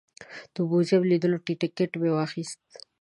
د موزیم د لیدو ټکټ مې واخیست.